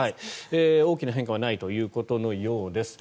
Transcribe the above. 大きな変化はないということのようです。